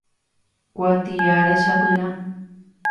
Kuatia rechapyrã.